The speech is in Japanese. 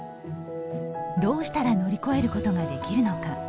どうしたら乗り越えることができるのか。